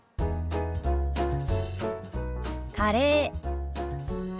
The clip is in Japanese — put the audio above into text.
「カレー」。